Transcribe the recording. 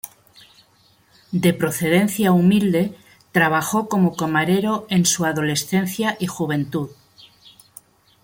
De procedencia humilde, trabajó como camarero en su adolescencia y juventud.